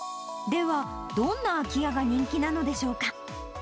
では、どんな空き家が人気なのでしょうか。